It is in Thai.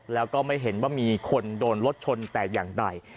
แล้วก็ไม่เห็นว่ามีคนโดนรถชนแต่อย่างใด